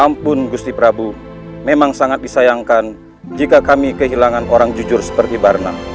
ampun gusti prabu memang sangat disayangkan jika kami kehilangan orang jujur seperti barna